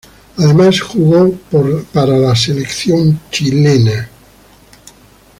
Además jugó por la Selección Chilena.